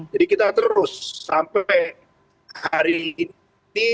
jadi kita terus sampai hari ini